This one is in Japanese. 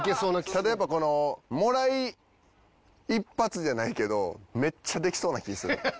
ただやっぱこのもらい一発じゃないけどめっちゃできそうな気ぃする。